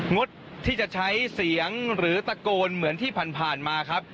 งดที่จะใช้เสียงหรือตะโกนเหมือนที่ผ่านมาครับ